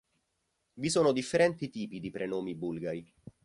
Vi sono differenti tipi di prenomi bulgari.